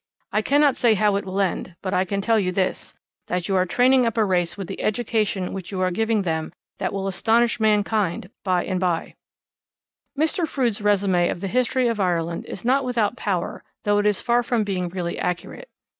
I cannot say how it will end; but I can tell you this, that you are training up a race with the education which you are giving them that will astonish mankind by and bye.' Mr. Froude's resume of the history of Ireland is not without power though it is far from being really accurate.